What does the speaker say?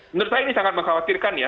menurut saya ini sangat mengkhawatirkan ya